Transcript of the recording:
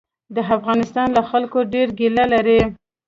د افغانستان له خلکو ډېره ګیله لري.